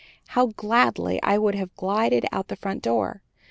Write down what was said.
How gladly I would have glided out the front door!